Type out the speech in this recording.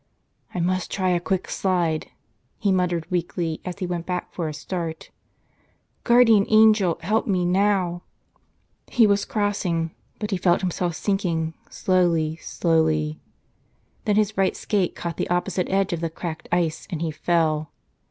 "1 must try a quick slide," he muttered weakly as he went back for a start.. "Guardian Angel, help me now!." He was crossing — but he felt himself sinking slowly, slowly. .Then his right skate caught the oppo¬ site edge of the cracked ice and he fell.